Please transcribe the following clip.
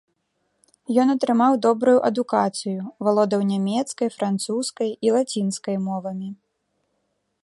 Ён атрымаў добрую адукацыю, валодаў нямецкай, французскай і лацінскай мовамі.